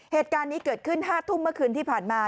เหตุการณ์นี้เกิดขึ้น๕ทุ่มเมื่อคืนที่ผ่านมา